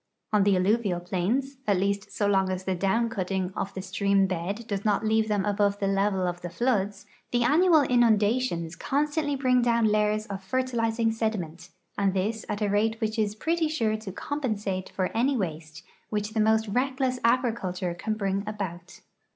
On the alluvial plains — at least .so long as the down cutting of the stream bed does not leave them above the level of the floods — the annual inundations constantly bring down layers of fertilizing sediment, and this at a rate which is pretty sure to compensate for any waste which the most reckless agriculture can bring about.